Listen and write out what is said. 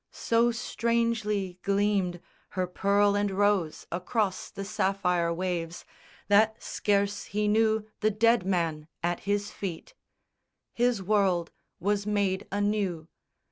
So strangely gleamed Her pearl and rose across the sapphire waves That scarce he knew the dead man at his feet. His world was made anew.